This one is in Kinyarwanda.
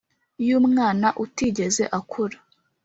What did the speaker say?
y'umwana utigeze akura